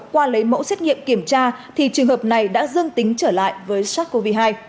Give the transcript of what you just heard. qua lấy mẫu xét nghiệm kiểm tra thì trường hợp này đã dương tính trở lại với sars cov hai